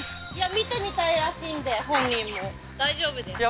見てみたいらしいんで本人も大丈夫ですいや